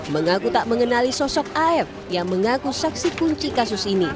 mengaku tak mengenali sosok af yang mengaku saksi kunci kasus ini